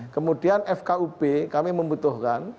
kemudian fkub kami membutuhkan